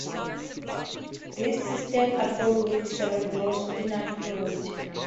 These cisterns are filled with cerebrospinal fluid.